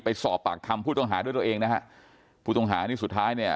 ไปสอบปากคำผู้ต้องหาด้วยตัวเองนะฮะผู้ต้องหานี่สุดท้ายเนี่ย